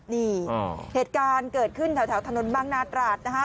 นี่เหตุการณ์เกิดขึ้นแถวถนนบางนาตราดนะคะ